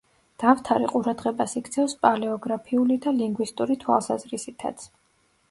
დავთარი ყურადღებას იქცევს პალეოგრაფიული და ლინგვისტური თვალსაზრისითაც.